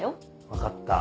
分かった。